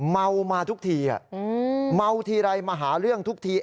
เมามาทุกทีเมาทีไรมาหาเรื่องทุกที